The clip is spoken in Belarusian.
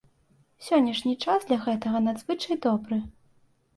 Сённяшні час для гэтага надзвычай добры.